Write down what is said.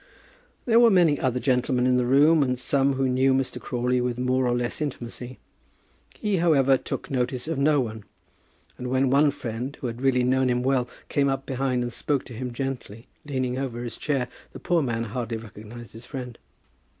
There were many other gentlemen in the room, and some who knew Mr. Crawley with more or less intimacy. He, however, took notice of no one, and when one friend, who had really known him well, came up behind and spoke to him gently leaning over his chair, the poor man hardly recognized his friend.